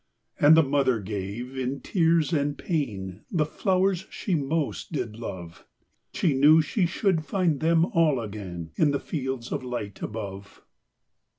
And the mother gave, in tears and pain, The flowers she most did love; She knew she should find them all againIn the fields of light above.